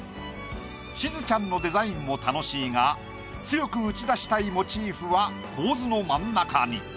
しずちゃんのデザインも楽しいが強く打ち出したいモチーフは構図の真ん中に。